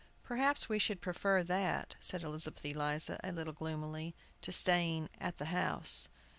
"Perhaps we should prefer that," said Elizabeth Eliza, a little gloomily, "to staying at the house."